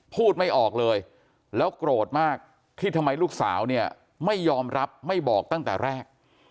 พูดไม่ออกเลยแล้วโกรธมากที่ทำไมลูกสาวเนี่ยไม่ยอมรับไม่บอกตั้งแต่แรก